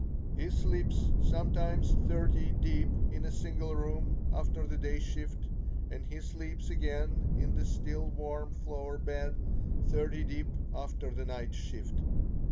He sleeps sometimes thirty deep in a single room after the day shift, and he sleeps again in the still warm floor bed, thirty deep, after the night shift.